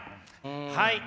はい。